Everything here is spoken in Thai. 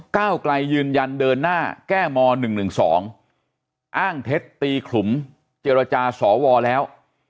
ก้าวไกลยืนยันเดินหน้าแก้ม๑๑๒อ้างเท็จตีขลุมเจรจาสวแล้ว